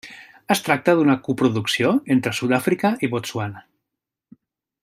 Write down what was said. Es tracta d'una coproducció entre Sud-àfrica i Botswana.